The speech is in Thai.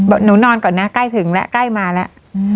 หนูนอนก่อนนะใกล้ถึงแล้วใกล้มาแล้ว